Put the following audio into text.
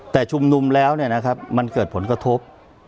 แต่ชุมนมแล้วเนี่ยนะครับมันเกิดผลกระทบ